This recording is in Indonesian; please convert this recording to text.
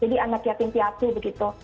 jadi anak siatin piatu begitu